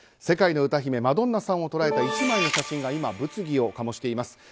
世界の歌姫マドンナさんを捉えた１枚の写真が今、物議を醸しています。